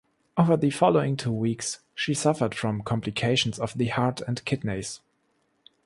Over the following two weeks she suffered from complications of the heart and kidneys.